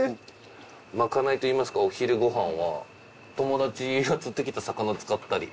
まかないといいますかお昼ご飯は友達が釣ってきた魚を使ったり？